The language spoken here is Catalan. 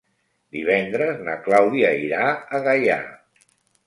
Divendres na Clàudia irà a Gaià.